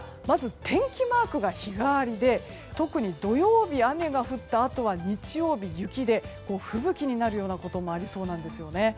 まず天気マークが日替わりで特に土曜日、雨が降ったあとは日曜日、雪で吹雪になることもありそうです。